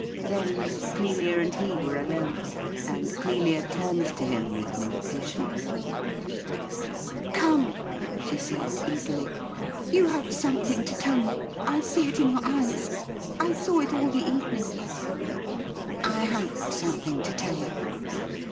Then Clelia and he were alone, and Clelia turned to him with an impatient look. JIM IS AN UNWELCOME MESSENGER 205 * Come,' she said eagerly ;' you have something to tell me. I see it in your eyes ; I saw it all the evening.' ' I have something to tell you.